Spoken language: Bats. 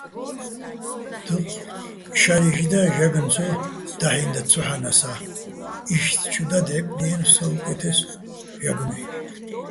დუჴ შარი́შ და ჟაგნო̆ ცო დაჰ̦ინდა ცოჰ̦ანასა́, იშტ ჩუ და დჵე́პდიენო̆ საუკე́თესო ჟაგნუჲ.